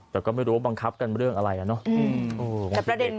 แต่ก็ไม่รู้ว่าบังคับกันเรื่องอะไรอะเนาะ